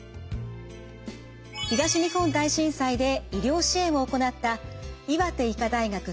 東日本大震災で医療支援を行った岩手医科大学教授